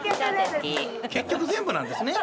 結局全部なんですね。